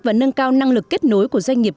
và nâng cao năng lực kết nối của doanh nghiệp